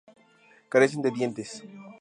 Carecen de dientes.